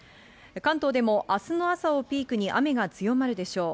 関東でも明日の朝をピークに雨が強まるでしょう。